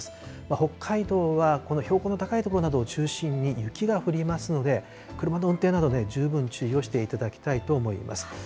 北海道はこの標高の高い所などを中心に雪が降りますので、車の運転などね、十分注意をしていただきたいと思います。